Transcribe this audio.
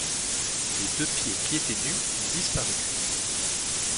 Les deux pieds qui étaient nus ont disparu.